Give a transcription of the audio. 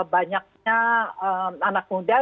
banyaknya anak muda